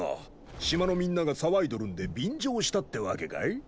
島のみんなが騒いどるんで便乗したってわけかい？